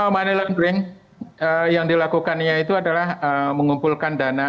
money laundering yang dilakukannya itu adalah mengumpulkan dana